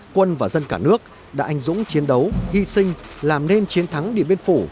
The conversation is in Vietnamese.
quân và dân cả nước đã anh dũng chiến đấu hy sinh làm nên chiến thắng điện biên phủ